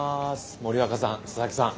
森若さん佐々木さん。